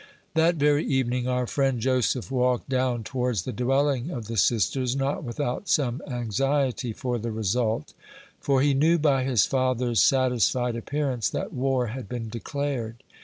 That very evening our friend Joseph walked down towards the dwelling of the sisters, not without some anxiety for the result, for he knew by his father's satisfied appearance that war had been declared.